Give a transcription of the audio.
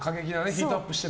ヒートアップして。